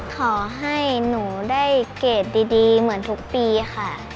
ขอให้หนูได้เกรดดีเหมือนทุกปีค่ะ